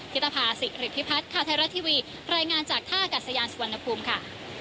ตภาษิริพิพัฒน์ข่าวไทยรัฐทีวีรายงานจากท่ากัดสยานสุวรรณภูมิค่ะ